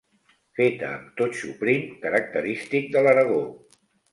Feta amb totxo prim característic de l'Aragó.